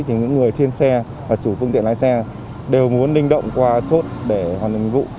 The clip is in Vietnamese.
thì những người trên xe và chủ phương tiện lái xe đều muốn linh động qua chốt để hoàn thành nhiệm vụ